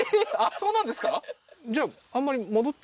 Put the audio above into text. そうなんですか？